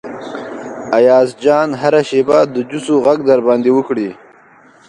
ایاز جان هره شیبه د جوسو غږ در باندې وکړي.